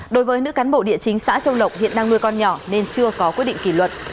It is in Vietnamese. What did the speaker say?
đối với nữ cán bộ địa chính xã châu lộc hiện đang nuôi con nhỏ nên chưa có quyết định kỷ luật